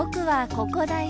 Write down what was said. ここだよ